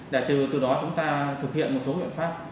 để từ đó chúng ta thực hiện một số biện pháp